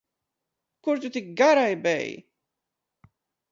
Kur tu tik garai beji?